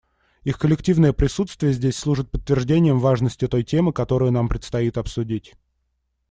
Их коллективное присутствие здесь служит подтверждением важности той темы, которую нам предстоит обсудить.